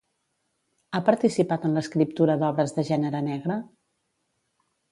Ha participat en l'escriptura d'obres de gènere negre?